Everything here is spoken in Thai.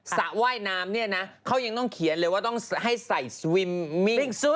สระว่ายน้ำเนี่ยนะเขายังต้องเขียนเลยว่าต้องให้ใส่สวิมมิ่งซู